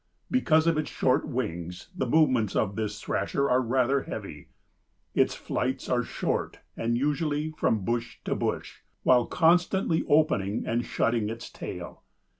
Because of its short wings the movements of this Thrasher are rather heavy. Its flights are short and usually from bush to bush, while constantly opening and shutting its tail.